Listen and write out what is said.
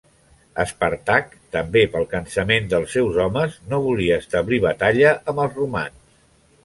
Espàrtac, també pel cansament dels seus homes, no volia establir batalla amb els romans.